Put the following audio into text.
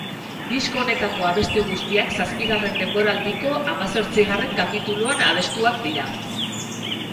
Disko honetako abesti guztiak zazpigarren denboraldiko hamazortzigarren kapituluan abestuak dira.